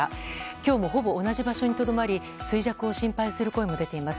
今日もほぼ同じ場所にとどまり衰弱を心配する声も出ています。